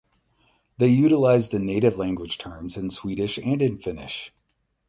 They utilize the native language terms in Swedish and in Finnish.